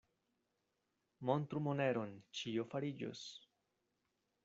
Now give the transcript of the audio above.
Montru moneron, ĉio fariĝos.